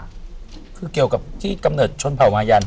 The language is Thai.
คือเกี่ยวกับที่กำเนิดชนเผ่ามายัน